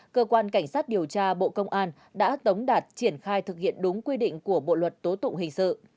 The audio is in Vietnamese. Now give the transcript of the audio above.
cơ quan cảnh sát điều tra bộ công an đã tống đạt triển khai thực hiện đúng quy định của bộ luật tố tụng hình sự